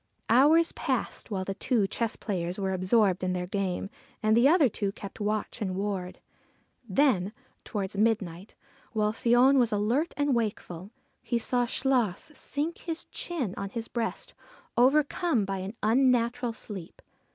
Hours passed while the two chess players were absorbed in their game and the other two kept watch and ward. Then, towards midnight, while Fion was alert and wakeful, he saw Chluas sink his chin on his breast, overcome by an unnatural sleep.